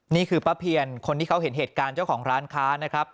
นี่คือป้าเพียนคนที่เขาเห็นเหตุการณ์เจ้าของร้านค้านะครับ